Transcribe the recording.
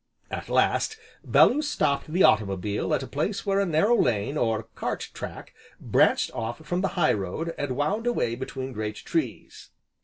At last, Bellew stopped the automobile at a place where a narrow lane, or cart track, branched off from the high road, and wound away between great trees.